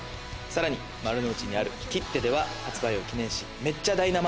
さらに丸の内にあるＫＩＴＴＥでは、発売を記念し、めっちゃ、大生！